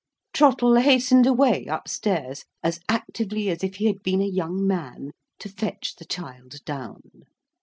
Trottle hastened away up stairs, as actively as if he had been a young man, to fetch the child down.